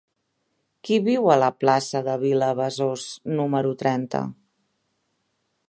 Qui viu a la plaça de Vilabesòs número trenta?